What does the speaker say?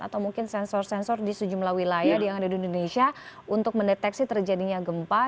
atau mungkin sensor sensor di sejumlah wilayah yang ada di indonesia untuk mendeteksi terjadinya gempa